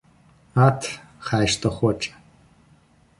Ат, хай што хоча.